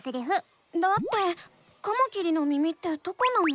だってカマキリの耳ってどこなの？